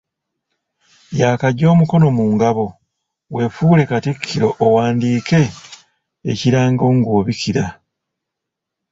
Yaakaggya omukono mu ngabo, weefuule katikkiro owandiike ekirango ng’obikira